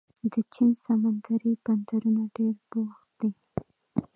د چین سمندري بندرونه ډېر بوخت دي.